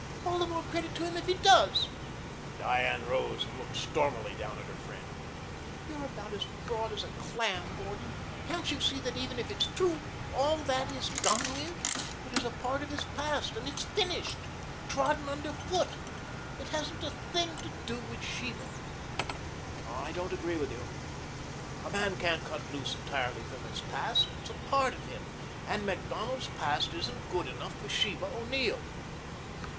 "All the more credit to him if he does." Diane rose and looked stormily down at her friend. "You're about as broad as a clam, Gordon. Can't you see that even if it's true, all that is done with? It is a part of his past and it's finished trodden under foot. It hasn't a thing to do with Sheba." "I don't agree with you. A man can't cut loose entirely from his past. It is a part of him and Macdonald's past isn't good enough for Sheba O'Neill."